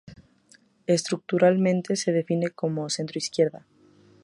Estructuralmente se define de centroizquierda.